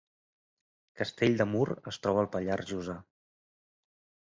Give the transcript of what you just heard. Castell de Mur es troba al Pallars Jussà